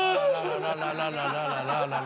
あららららら。